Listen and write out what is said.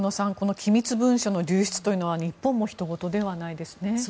機密文書の流出というのは日本もひと事ではないですね。